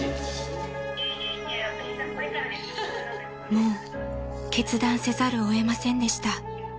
［もう決断せざるを得ませんでした］